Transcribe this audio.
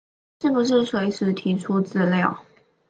是不是隨時提出資料